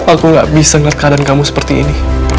aku gak bisa nge keadaan kamu seperti ini